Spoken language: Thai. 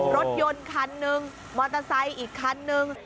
รถยนต์คันหนึ่งมอเตอร์ไซค์อีกคันนึง